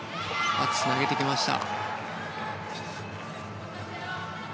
つなげてきました。